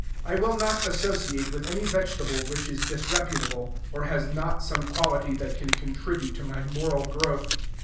I will not associate with any vegetable which is disreputable, or has not some quality that can contribute to my moral growth.